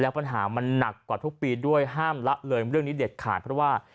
ปัญหามันหนักกว่าทุกปีด้วยห้ามละเลยเรื่องนี้เด็ดขาดเพราะว่า